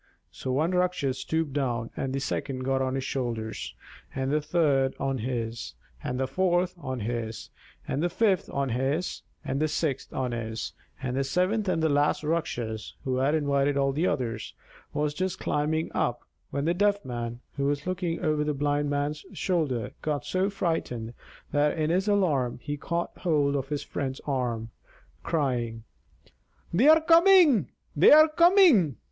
So one Rakshas stooped down, and the second got on his shoulders, and the third on his, and the fourth on his, and the fifth on his, and the sixth on his; and the seventh and the last Rakshas (who had invited all the others) was just climbing up when the Deaf Man (who was looking over the Blind Man's shoulder) got so frightened that in his alarm he caught hold of his friend's arm, crying: "They're coming, they're coming!"